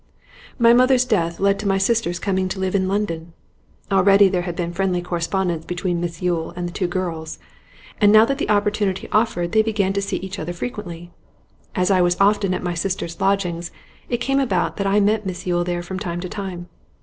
'My mother's death led to my sisters' coming to live in London. Already there had been friendly correspondence between Miss Yule and the two girls, and now that the opportunity offered they began to see each other frequently. As I was often at my sisters' lodgings it came about that I met Miss Yule there from time to time.